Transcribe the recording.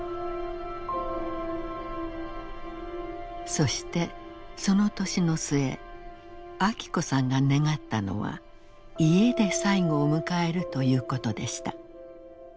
そしてその年の末昭子さんが願ったのは家で最期を迎えるということでした。